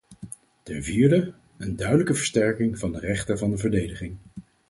Ten vierde: een duidelijke versterking van de rechten van de verdediging.